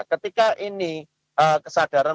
ketika ini kesadaran